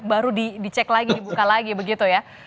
baru dicek lagi dibuka lagi begitu ya